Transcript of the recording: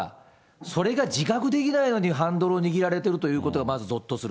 それが自覚できないのにハンドルを握られているということがまずぞっとする。